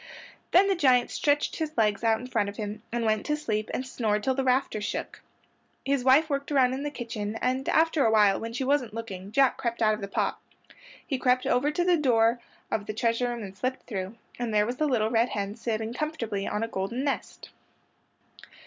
Then the giant stretched his legs out in front of him and went to sleep and snored till the rafters shook. His wife worked around in the kitchen, and after awhile, when she wasn't looking, Jack crept out of the pot. He crept over to the door of the treasure room and slipped through, and there was the little red hen sitting comfortably on a golden nest.